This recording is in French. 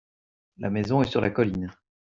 la maison est sur la colline.